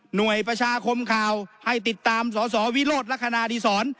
หน่วยประชาคมข่าวให้ติดตามสสวิโรธละครานาธิสร